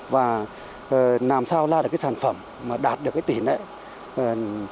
và làm sao ra được cái sản phẩm mà đạt được cái tỷ lợi